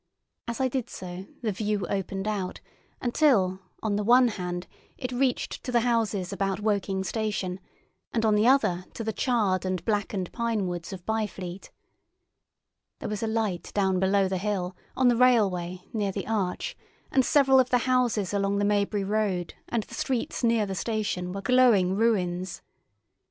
As I did so, the view opened out until, on the one hand, it reached to the houses about Woking station, and on the other to the charred and blackened pine woods of Byfleet. There was a light down below the hill, on the railway, near the arch, and several of the houses along the Maybury road and the streets near the station were glowing ruins.